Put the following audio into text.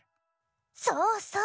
そうそう。